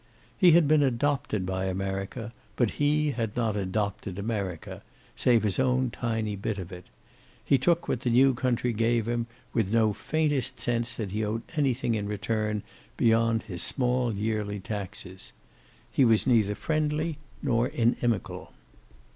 He had been adopted by America, but he had not adopted America, save his own tiny bit of it. He took what the new country gave him with no faintest sense that he owed anything in return beyond his small yearly taxes. He was neither friendly nor inimical.